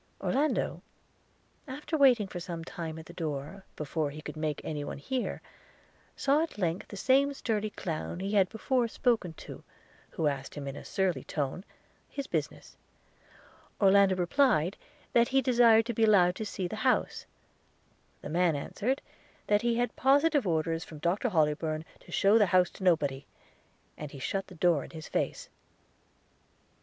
Orlando, after waiting for some time at the door, before he could make any one hear, saw at length the same sturdy clown he had before spoken to, who asked him in a surly tone his business. – Orlando replied, that he desired to be allowed to see the house. The man answered, that he had positive orders from Dr Hollybourn to shew the house to nobody; and he shut the door in his face.